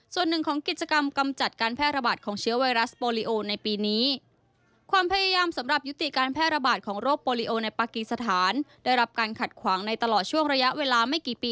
ส่วนหนึ่งของกิจกรรมกำจัดการแพร่ระบาดของเชื้อไวรัสโปรลิโอในปีนี้